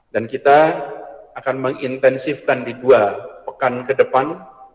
dan kita akan mengintensifkan di dua pekan ke depan